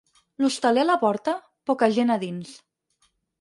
L'hostaler a la porta, poca gent a dins.